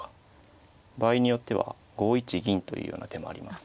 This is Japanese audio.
場合によっては５一銀というような手もありますね。